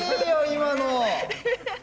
今の。